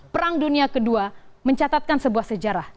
perang dunia ii mencatatkan sebuah sejarah